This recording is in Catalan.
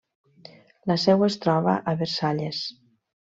La seu es troba a Versalles.